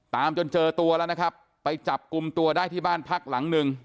ตามจนเจอไปจับกุมไปจับกุมตัวได้วันพักหนึ่ง